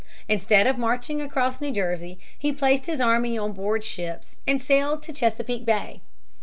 Instead of marching across New Jersey, he placed his army on board ships, and sailed to Chesapeake Bay.